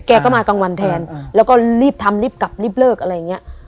แกก็มากลางวันแทนแล้วก็รีบทำรีบกลับรีบเลิกอะไรอย่างเงี้ย